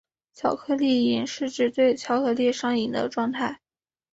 巧克力瘾是指对巧克力上瘾的状态。